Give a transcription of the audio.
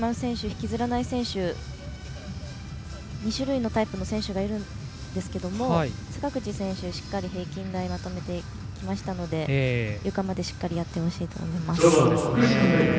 引きずらない選手２種類のタイプの選手がいるんですけれども坂口選手、しっかり平均台まとめてきましたのでゆかまで、しっかりやってほしいと思います。